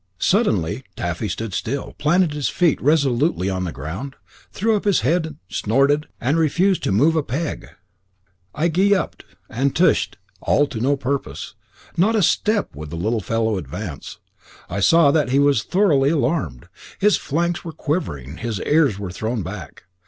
Suddenly, Taffy stood still, planted his feet resolutely on the ground, threw up his head, snorted, and refused to move a peg. I "gee uped," and "tshed," all to no purpose; not a step would the little fellow advance. I saw that he was thoroughly alarmed; his flanks were quivering, and his ears were thrown back.